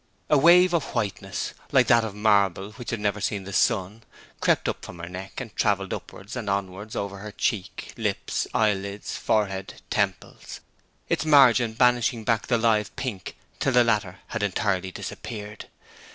A wave of whiteness, like that of marble which had never seen the sun, crept up from her neck, and travelled upwards and onwards over her cheek, lips, eyelids, forehead, temples, its margin banishing back the live pink till the latter had entirely disappeared.